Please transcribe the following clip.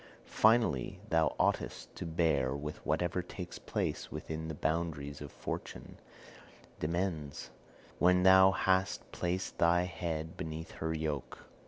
Finally, thou oughtest to bear with whatever takes place within the boundaries of Fortune's demesne, when thou hast placed thy head beneath her yoke.